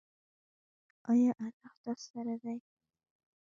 ایا الله ستاسو سره دی؟